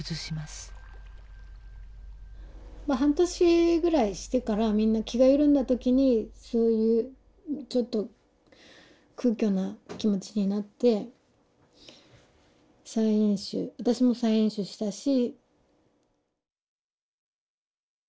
半年ぐらいしてからみんな気が緩んだ時にそういうちょっと空虚な気持ちになって再飲酒私も再飲酒したし。